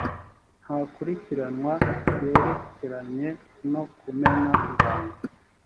nta kurikiranwa ryerekeranye no kumena ibanga